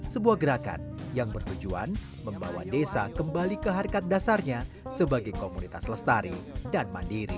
sebuah gerakan yang bertujuan membawa desa kembali ke harkat dasarnya sebagai komunitas lestari dan mandiri